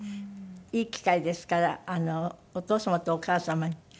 いい機会ですからお父様とお母様に。